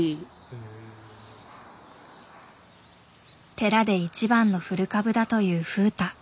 寺で一番の古株だという風太。